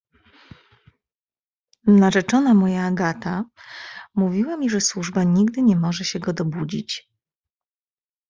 "Narzeczona moja, Agata, mówiła mi, że służba nigdy nie może się go dobudzić."